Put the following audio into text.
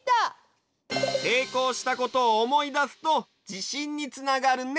せいこうしたことをおもいだすとじしんにつながるね。